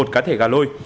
một cá thể gà lôi